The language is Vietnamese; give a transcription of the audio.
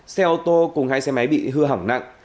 xe ô tô cùng hai xe máy bị hư hỏng nặng